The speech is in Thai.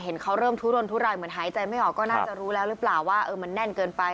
เขาเริ่มทุรนทุรายเหมือนหายใจไม่ออกก็น่าจะรู้แล้วหรือเปล่าว่ามันแน่นเกินไป